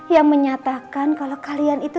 yang menyatakan kalau kalian itu